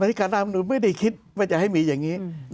กรรมอธิการอธิการมนุนไม่ได้คิดว่าจะให้มีอย่างงี้อืม